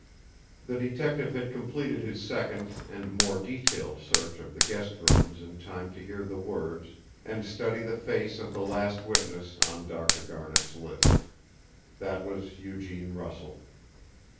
The detective had completed his second and more detailed search of the guest rooms in time to hear the words and study the face of the last witness on Dr. Garnet's list. That was Eugene Russell.